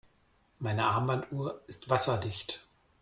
Meine Armbanduhr ist wasserdicht.